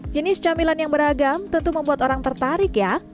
jenis camilan yang beragam tentu membuat orang tertarik ya